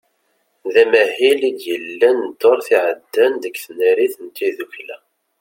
D amahil i d-yellan ddurt iɛeddan deg tnarit n tiddukla.